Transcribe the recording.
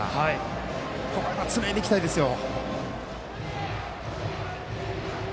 ここはつないでいきたいですよ。